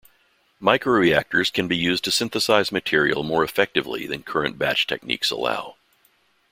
Microreactors can be used to synthesise material more effectively than current batch techniques allow.